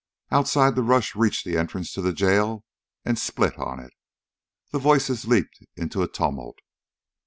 Outside the rush reached the entrance to the jail and split on it. The voices leaped into a tumult.